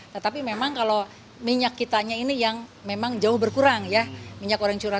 tetapi memang kalau minyak kitanya ini yang memang jauh berkurang ya minyak goreng curah